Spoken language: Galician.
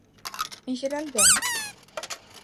En xeral, ben.